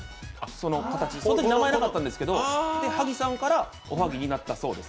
そのとき名前なかったんですけど、はぎさんからおはぎになったそうです。